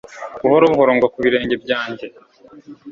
Buhoro buhoro ngwa ku birenge byanjye